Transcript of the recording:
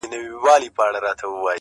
په دې پانوس کي نصیب زر ځله منلی یمه-